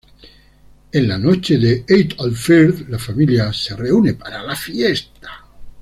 En la noche de Eid al-Fitr, la familia se reúne para la fiesta.